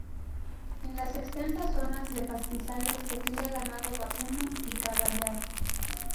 En las extensas zonas de pastizales se cría ganado vacuno y caballar.